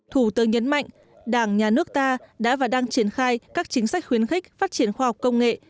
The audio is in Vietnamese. thủ tướng nhấn mạnh đảng nhà nước ta đã và đang triển khai các chính sách khuyến khích phát triển khoa học công nghệ